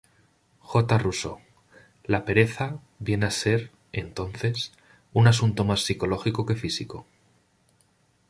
J. Rousseau– La pereza viene a ser, entonces, un asunto más psicológico que físico.